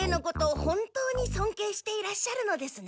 本当にそんけいしていらっしゃるのですね。